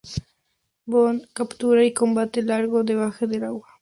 Bond captura y combate a Largo debajo del agua.